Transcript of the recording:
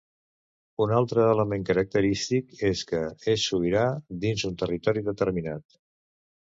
Un altre element característic és que és sobirà dins un territori determinat.